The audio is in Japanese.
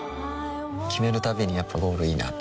決めるたびにやっぱゴールいいなってふん